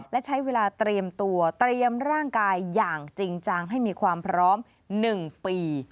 และใช้เวลาเตรียมตัวเตรียมร่างกายอย่างจริงจังให้มีความพร้อม๑ปี